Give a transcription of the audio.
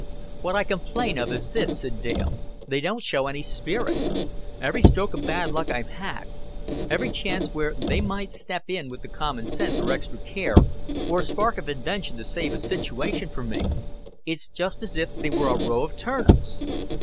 "What I complain of is this," said Dale; "they don't show any spirit. Every stroke o' bad luck I've had every chance where they might step in with common sense, or extra care, or a spark of invention to save a situation for me it's just as if they were a row o' turnips."